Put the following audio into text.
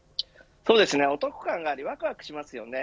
お得感がありわくわくしますよね。